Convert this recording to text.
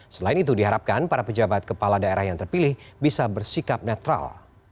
selain itu diharapkan para pejabat kepala daerah yang terpilih bisa bersikap netral